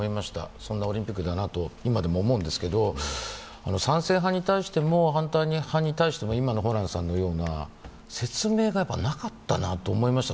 そんなオリンピックだなと、今でも思うんですけど、賛成派に対しても反対派に対しても、今のホランさんのような説明がなかったなと思いました。